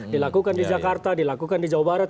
dilakukan di jakarta dilakukan di jawa barat